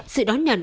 sự đón nhận